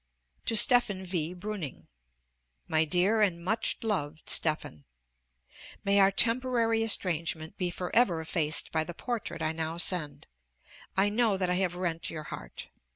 TO STEPHAN V. BREUNING My dear and much loved Stephan: May our temporary estrangement be for ever effaced by the portrait I now send. I know that I have rent your heart.